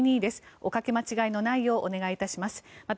おかけ間違いのないようお願いいたします。